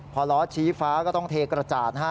พอล้อชี้ฟ้าก็ต้องเทกระจาดนะฮะ